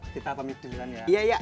kita pamit duluan ya